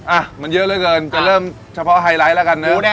อ่ะมันเยอะเหลือเกินจะเริ่มเฉพาะไฮไลท์แล้วกันนะ